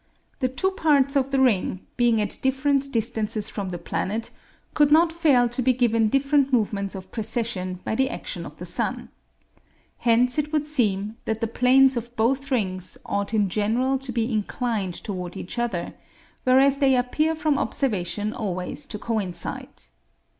The two parts of the ring, being at different distances from the planet, could not fail to be given different movements of precession by the action of the sun. Hence it would seem that the planes of both rings ought in general to be inclined toward each other, whereas they appear from observation always to coincide.